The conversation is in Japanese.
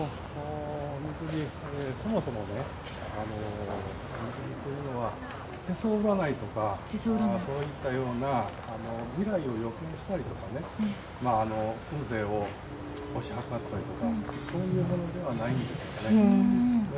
そもそもおみくじというのは手相占いとか、そういったような未来を予見したりとかね運勢を推し量ったりとかそういうものではないんですよね。